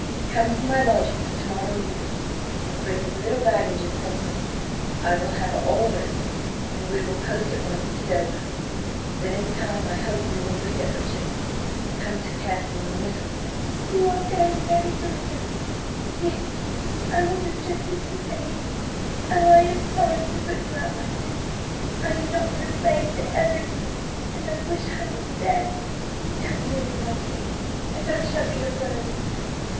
Come to my lodgings to morrow evening! Bring as little baggage as possible; I will have all ready, and we will post at once to Dover. Then in time I hope you will forget Richard and come to care for me a little." "You are very, very good, Harry! Yes, I will do just as you say and, oh, I am sorry to put you out like this! I am nought but a plague to everyone, and I wish I were dead! You don't really love me, and I shall be a burden!"